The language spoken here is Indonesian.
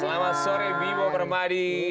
selamat sore bimo permadi